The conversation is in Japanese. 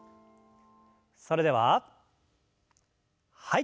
それでははい。